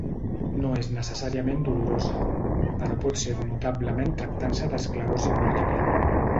No és necessàriament dolorosa, però pot ser-ho notablement tractant-se d'esclerosi múltiple.